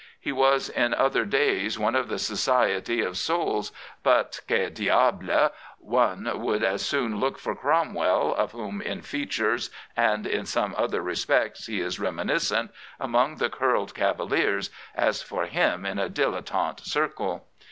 He was in other days one of the society of " Souls ; but — Que diahle ? One would as soon look for Cromwell, of whom in feature and in some other respects he is reminiscent, among the curled Cavaliers, as for him in a dilettante circle.